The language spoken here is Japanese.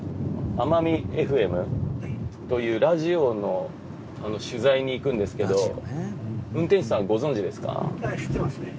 あまみエフエムというラジオの取材に行くんですけど運転手さんご存じですか？